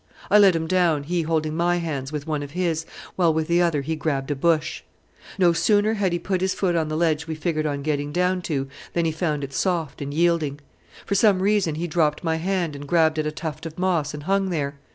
I let him down, he holding my hands with one of his, while with the other he grabbed a bush. No sooner had he put his foot on the ledge we figured on getting down to than he found it soft and yielding. For some reason he dropped my hand and grabbed at a tuft of moss and hung there.